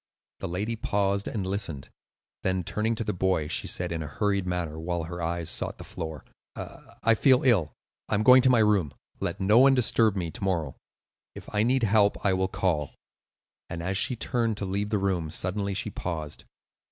The lady paused and listened, then turning to the boy she said in a hurried manner, while her eyes sought the floor: "I feel ill; I am going to my room. Let no one disturb me to morrow; if I need help I will call." And as she turned to leave the room, suddenly she paused.